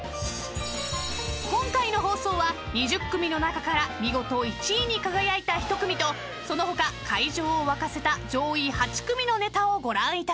［今回の放送は２０組の中から見事１位に輝いた一組とその他会場を沸かせた上位８組のネタをご覧いただく］